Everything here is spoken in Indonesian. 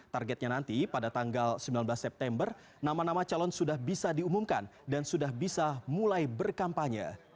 targetnya nanti pada tanggal sembilan belas september nama nama calon sudah bisa diumumkan dan sudah bisa mulai berkampanye